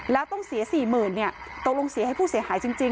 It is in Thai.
แล้วต้องเสีย๔๐๐๐ตกลงเสียให้ผู้เสียหายจริง